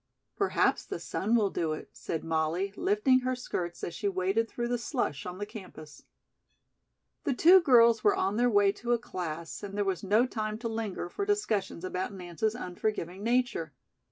"Perhaps the sun will do it," said Molly, lifting her skirts as she waded through the slush on the campus. The two girls were on their way to a class and there was no time to linger for discussions about Nance's unforgiving nature.